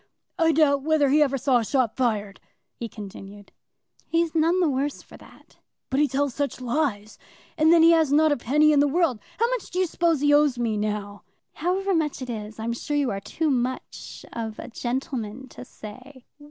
"I doubt whether he ever saw a shot fired," he continued. "He's none the worse for that." "But he tells such lies; and then he has not a penny in the world. How much do you suppose he owes me, now?" "However much it is, I'm sure you are too much of a gentleman to say."